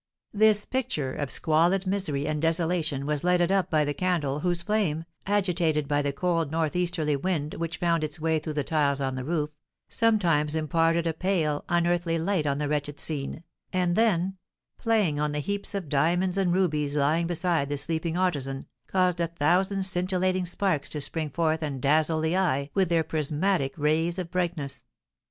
This picture of squalid misery and desolation was lighted up by the candle, whose flame, agitated by the cold northeasterly wind which found its way through the tiles on the roof, sometimes imparted a pale, unearthly light on the wretched scene, and then, playing on the heaps of diamonds and rubies lying beside the sleeping artisan, caused a thousand scintillating sparks to spring forth and dazzle the eye with their prismatic rays of brightness.